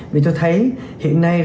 vì tôi thấy hiện nay